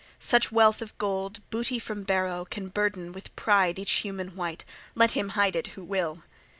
Such wealth of gold, booty from barrow, can burden with pride each human wight: let him hide it who will!